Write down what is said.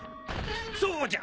そうじゃ！